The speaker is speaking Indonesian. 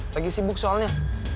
lagi sibuk soalnya